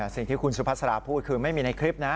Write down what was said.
สิ่งที่คุณสุภาษาพูดคือไม่มีในคลิปนะ